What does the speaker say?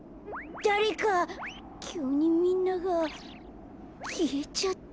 きゅうにみんながきえちゃった。